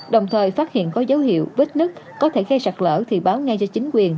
đồng thời phát hiện có dấu hiệu vết nứt có thể gây sạt lở thì báo ngay cho chính quyền